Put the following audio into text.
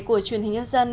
của truyền hình nhân dân